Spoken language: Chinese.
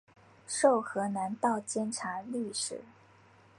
授河南道监察御史。